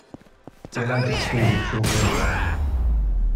The Atlantic School was short lived.